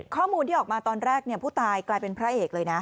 ข้อมูลที่ออกมาตอนแรกผู้ตายกลายเป็นพระเอกเลยนะ